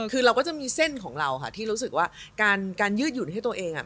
คือเราก็จะมีเส้นของเราค่ะที่รู้สึกว่าการยืดหยุ่นให้ตัวเอง